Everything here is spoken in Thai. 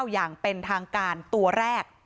อย่างเป็นทางการตัวแรก